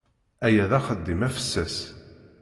Aya d axeddim afessas.